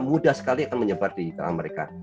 mudah sekali akan menyebar di tengah mereka